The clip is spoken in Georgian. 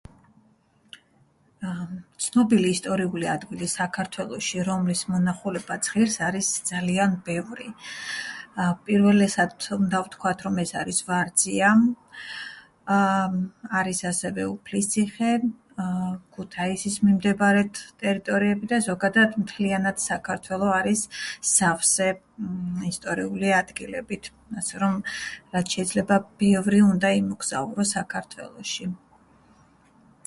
ემმ... ცნობილი ისტორიული ადგილი საქართველოში, რომლის მონახულებაც ღირს, არის ძალიან ბევრი. ა.. პირველი, ეს აუცილებად უნდა ვთქვათ, რომ ეს არის ვარძია, აა... არის ასევე უფლისციხე, აა... ქუთაისის მიმდებარედ ტერიტორიები და, ზოგადად, მთლიანად საქართველო არის სავსე, ემმ... ისტორიული ადგილებით. ასე რომ, რაც შეიძლება ბევრი უნდა იმოგზაურო საქართველოში.